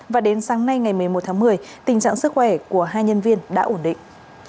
và đến sáng nay ngày một mươi một tháng một mươi tình trạng sức khỏe của hai nhân viên đã ổn định